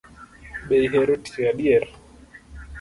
Be ihero tiyo adier?